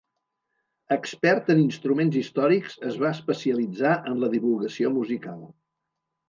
Expert en instruments històrics es va especialitzar en la divulgació musical.